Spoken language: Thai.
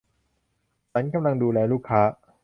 ฉันกำลังดูแลลูกค้า